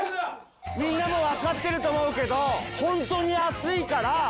みんなもうわかってると思うけどホントに暑いから。